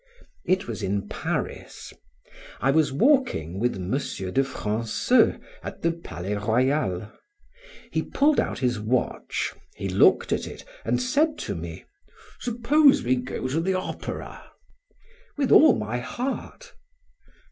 It was in Paris: I was walking with M. de Franceul at the Palais Royal; he pulled out his watch, he looked at it, and said to me, "Suppose we go to the opera?" "With all my heart."